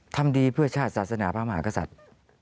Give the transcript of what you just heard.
ทำดีเพื่อชาติศาสนาพระมหากษัตริย์